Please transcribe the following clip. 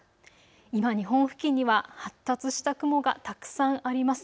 今、日本付近には発達した雲がたくさんあります。